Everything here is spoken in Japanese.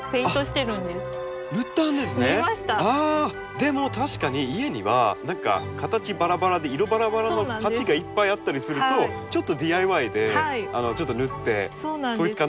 でも確かに家には何か形ばらばらで色ばらばらの鉢がいっぱいあったりするとちょっとＤＩＹでちょっと塗って統一感出すのもいいですね。